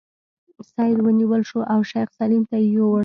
سید ونیول شو او شیخ سلیم ته یې یووړ.